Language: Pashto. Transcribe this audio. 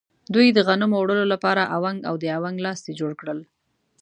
دوی د غنمو وړلو لپاره اونګ او د اونګ لاستی جوړ کړل.